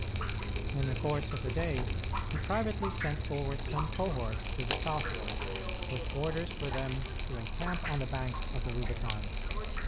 In the course of the day, he privately sent forward some cohorts to the southward, with orders for them to encamp on the banks of the Rubicon.